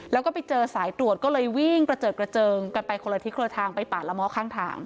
แล้วก็ไปเจอสายตรวจก็เลยวิ่งกระเจิดกระเจิงกันไปคนละทิศคนละทางไปป่าละม้อข้างทาง